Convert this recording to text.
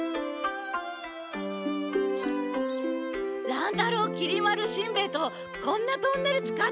乱太郎きり丸しんべヱとこんなトンネル使ってたの？